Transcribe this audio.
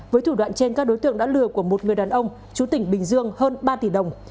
với thủ đoạn trên các đối tượng đã lừa của một người đàn ông chú tỉnh bình dương hơn ba tỷ đồng